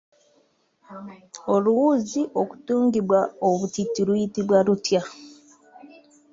Oluwuzi okutungibwa obutiiti luyitibwa lutya?